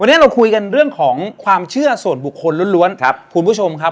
วันนี้เราคุยกันเรื่องของความเชื่อส่วนบุคคลล้วนครับคุณผู้ชมครับ